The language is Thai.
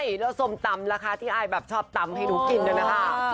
เอ่อแล้วส้มตำละคะที่อายชอบตำให้หนูกินน่ะค่ะ